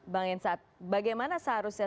bang hensat bagaimana seharusnya